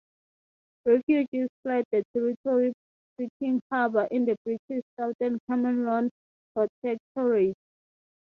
Refugees fled the territory seeking harbor in the British southern Cameroon protectorate.